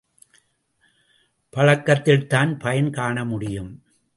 பழக்கத்தில்தான் பயன் காணமுடியும்.